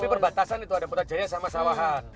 tapi berbatasan itu ada putrajaya sama sawahan